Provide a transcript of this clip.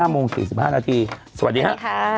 โมง๔๕นาทีสวัสดีครับ